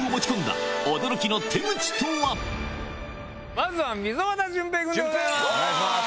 まずは溝端淳平君でございます。